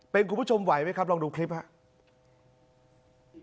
เป็นคุณผู้ชมไหวไหมครับลองดูคลิปครับ